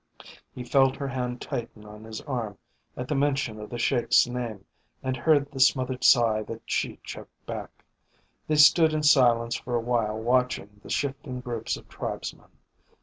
He felt her hand tighten on his arm at the mention of the Sheik's name and heard the smothered sigh that she choked back. They stood in silence for a while watching the shifting groups of tribesmen.